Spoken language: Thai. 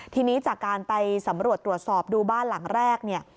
ทีนี้จากการไปสำรวจตรวจสอบดูบ้านหลังแรกเนี่ย